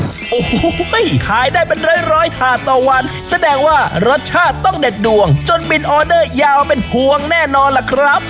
โอ้โหขายได้เป็นร้อยร้อยถาดต่อวันแสดงว่ารสชาติต้องเด็ดดวงจนบินออเดอร์ยาวเป็นพวงแน่นอนล่ะครับ